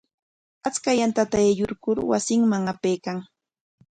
Achka yantata aylluykur wasinman apaykan.